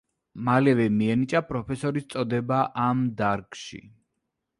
მალევე მიენიჭა პროფესორის წოდება ამ დარგში.